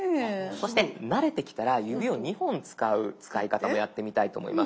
そして慣れてきたら指を２本使う使い方もやってみたいと思います。